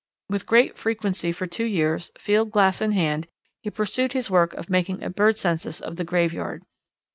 With great frequency for two years, field glass in hand, he pursued his work of making a bird census of the graveyard.